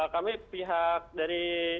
kami pihak dari